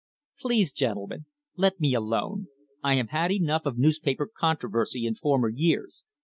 Please, gentlemen, let me alone. I have had enough of newspaper controversy in former years.